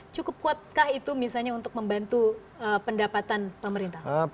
cukup kuatkah itu misalnya untuk membantu pendapatan pemerintah